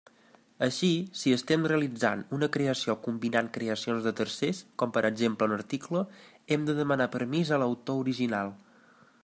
Així, si estem realitzant una creació combinant creacions de tercers, com per exemple un article, hem de demanar permís a l'autor original.